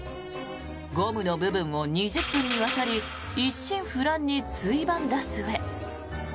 ゴムの部分を２０分にわたり一心不乱についばんだ末。